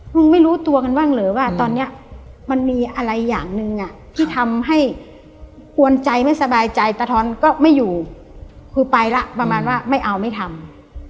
ไม่รู้ตัวกันบ้างเหรอว่าตอนนี้มันมีอะไรอย่างหนึ่งอ่ะที่ทำให้กวนใจไม่สบายใจตาทอนก็ไม่อยู่คือไปแล้วประมาณว่าไม่เอาไม่ทำ